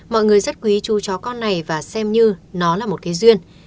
mọi người rất quý chú chó con này và xem như nó là một cái duyên